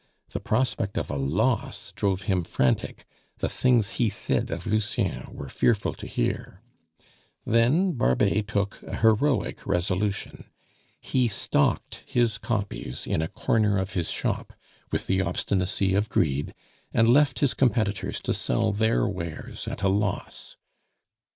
The prospect of a loss drove him frantic; the things he said of Lucien were fearful to hear. Then Barbet took a heroic resolution. He stocked his copies in a corner of his shop, with the obstinacy of greed, and left his competitors to sell their wares at a loss.